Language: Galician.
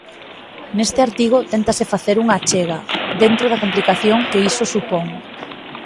Neste artigo téntase facer unha achega, dentro da complicación que iso supón.